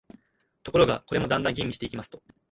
ところが、これもだんだん吟味していきますと、